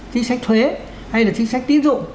chính sách thuế hay chính sách tiến dụng